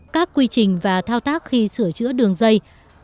các quy trình và thao tác khi sửa chữa đường dây